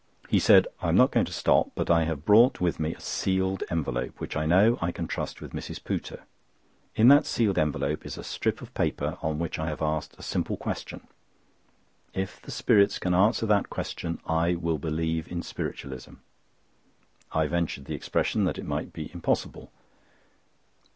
He said: "I am not going to stop, but I have brought with me a sealed envelope, which I know I can trust with Mrs. Pooter. In that sealed envelope is a strip of paper on which I have asked a simple question. If the spirits can answer that question, I will believe in Spiritualism." I ventured the expression that it might be impossible.